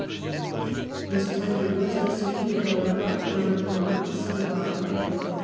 His title was disputed, however, by John of Gaunt, the son of our Edward III.